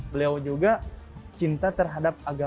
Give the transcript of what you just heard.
beliau juga cinta terhadapnya